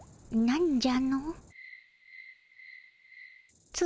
なんじゃ？